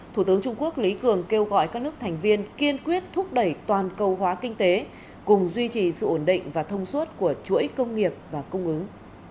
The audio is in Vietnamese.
thủ tướng trung quốc lý cường kêu gọi các nước thành viên kiên quyết thúc đẩy toàn cầu hóa kinh tế cùng duy trì sự ổn định và thông suốt của chuỗi công nghiệp và cung ứng